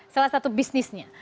salah satu bisnisnya